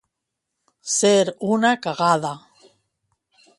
Ser una cagada.